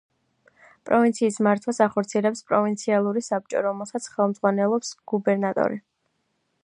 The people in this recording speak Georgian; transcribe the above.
პროვინციის მართვას ახორციელებს პროვინციალური საბჭო, რომელსაც ხელმძღვანელობს გუბერნატორი.